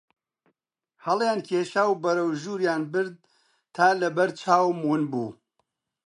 هەڵیان کێشا و بەرەو ژووریان برد تا لە بەر چاوم ون بوو